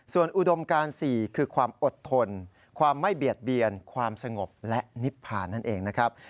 ส่วนอุดมการ๔คือความอดทนความไม่เบียดเบียนความสงบและนิพพานั่นเองนะครับ